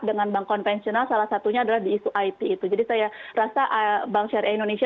dengan bank konvensional salah satunya adalah di isu it itu jadi saya rasa bank syariah indonesia